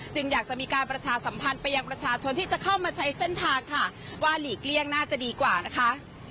อยากจะมีการประชาสัมพันธ์ไปยังประชาชนที่จะเข้ามาใช้เส้นทางค่ะว่าหลีกเลี่ยงน่าจะดีกว่านะคะ